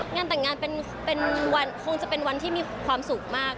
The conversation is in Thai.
งานแต่งงานคงจะเป็นวันที่มีความสุขมาก